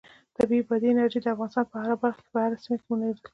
طبیعي بادي انرژي د افغانستان په هره برخه او هره سیمه کې موندل کېږي.